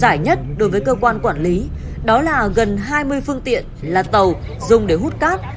giải nhất đối với cơ quan quản lý đó là gần hai mươi phương tiện là tàu dùng để hút cát